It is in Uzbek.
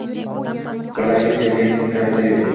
Birlashgan jamiyat qayoqda-yu